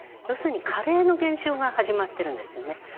要するに加齢の現象が始まってるんですよね。